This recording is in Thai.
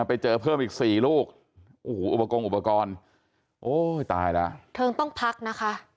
ไปเจอเพิ่มอีกสี่ลูกโอ้โหอุปกรณ์อุปกรณ์โอ้ยตายแล้วเธอต้องพักนะคะ